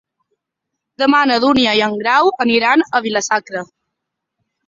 Demà na Dúnia i en Grau aniran a Vila-sacra.